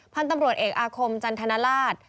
พันธุ์ตำรวจเอกอาคมจันทนราช